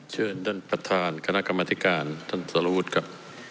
เชิญท่านประธานคณะกรรมธิการท่านสรวุฒิครับ